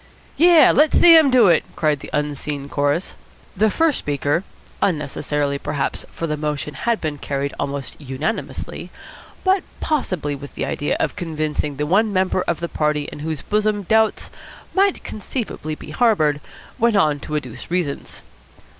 "Yes, let Sam do it!" cried the unseen chorus. The first speaker, unnecessarily, perhaps for the motion had been carried almost unanimously but possibly with the idea of convincing the one member of the party in whose bosom doubts might conceivably be harboured, went on to adduce reasons.